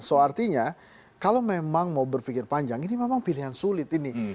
so artinya kalau memang mau berpikir panjang ini memang pilihan sulit ini